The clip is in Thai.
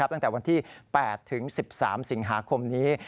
ตั้งแต่วันที่๘ถึง๑๓สิงหาคมนี้